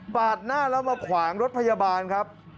หน้าแล้วมาขวางรถพยาบาลครับ